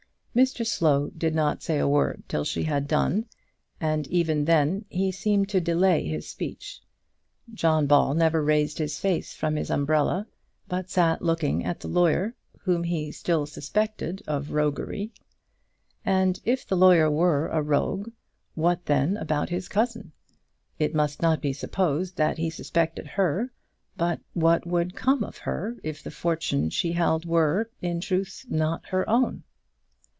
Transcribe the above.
Mr Slow did not say a word till she had done, and even then he seemed to delay his speech. John Ball never raised his face from his umbrella, but sat looking at the lawyer, whom he still suspected of roguery. And if the lawyer were a rogue, what then about his cousin? It must not be supposed that he suspected her; but what would come of her, if the fortune she held were, in truth, not her own?